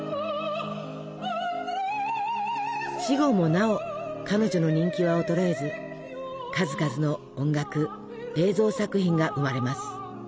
死後もなお彼女の人気は衰えず数々の音楽映像作品が生まれます。